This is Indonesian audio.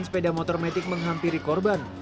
sepeda motor metik menghampiri korban